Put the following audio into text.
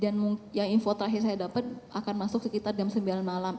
yang info terakhir saya dapat akan masuk sekitar jam sembilan malam